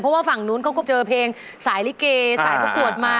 เพราะว่าฝั่งนู้นเขาก็เจอเพลงสายลิเกสายประกวดมา